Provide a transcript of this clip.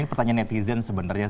ini pertanyaan netizen sebenarnya